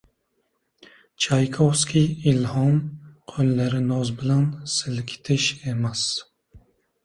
Chaykovskiy ilhom – qoʻllarni noz bilan silkitish emas.